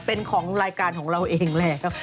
เป็นของรายการของเราเองแหละ